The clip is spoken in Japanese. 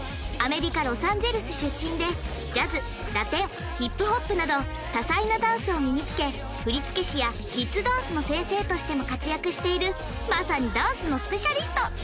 アメリカロサンゼルス出身でジャズラテンヒップホップなど多彩なダンスを身につけ振付師やキッズダンスの先生としても活躍しているまさにダンスのスペシャリスト！